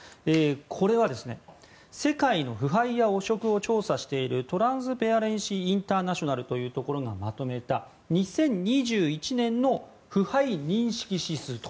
これは、世界の腐敗や汚職を調査しているトランスペアレンシー・インターナショナルというところがまとめた２０２１年の腐敗認識指数と。